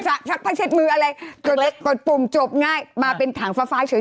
ใช่ถ้าเช็ดมืออะไรกดปุ่มจบง่ายมาเป็นถังฟ้าเฉย